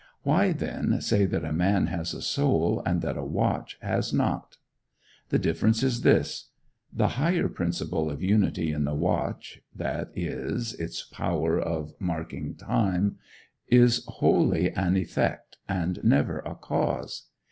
Why, then, say that a man has a soul, and that a watch has not? The difference is this. The higher principle of unity in the watch, that is, its power of marking time, is wholly an effect, and never a cause.